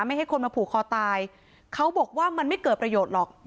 ให้คนมาผูกคอตายเขาบอกว่ามันไม่เกิดประโยชน์หรอก